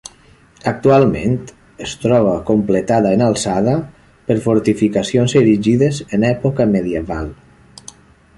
Actualment, es troba completada en alçada per fortificacions erigides en època medieval.